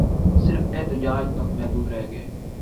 صرف احتجاج تک محدود رہ گئے